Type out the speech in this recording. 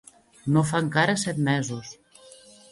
No fa encara set mesos